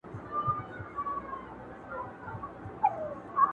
هیڅ دلیل نشته چې یې زړه ته ورکړم